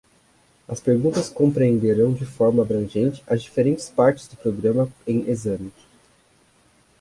As perguntas compreenderão de forma abrangente as diferentes partes do programa em exame.